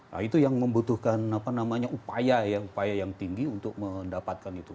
nah itu yang membutuhkan upaya ya upaya yang tinggi untuk mendapatkan itu